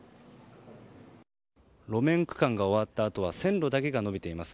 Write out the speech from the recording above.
路面区間が終わったあとは線路だけが延びています。